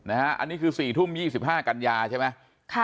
อันนี้คือ๔ทุ่ม๒๕กันยาใช่ไหม